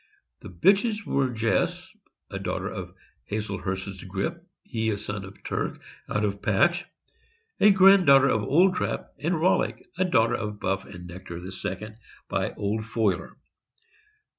The bitches were Jess, a daughter of Hazlehurst's Grip, he a son of Turk, out of Patch, a granddaughter of Old Trap, and Rollick, a daughter of Buff and Nectar II., by Old Foiler.